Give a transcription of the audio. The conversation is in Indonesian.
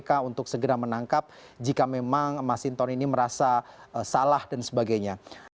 pimpinan kpk untuk segera menangkap jika memang mas sinton ini merasa salah dan sebagainya